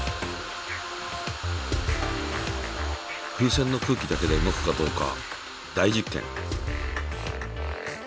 風船の空気だけで動くかどうか大実験。